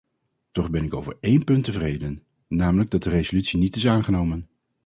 Toch ben ik over één punt tevreden, namelijk dat de resolutie niet is aangenomen.